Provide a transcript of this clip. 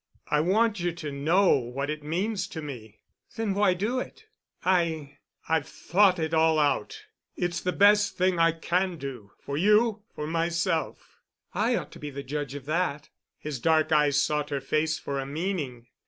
"I want you to know what it means to me." "Then why do it?" "I—I've thought it all out. It's the best thing I can do—for you—for myself——" "I ought to be a judge of that." His dark eyes sought her face for a meaning.